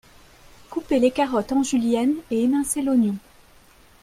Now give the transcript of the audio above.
couper les carottes en julienne et émincer l’oignon.